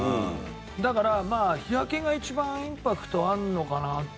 だからまあ日焼けが一番インパクトあるのかなっていう。